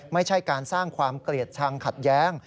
ไม่ใช่การสร้างความเกลียดชังขัดแย้ง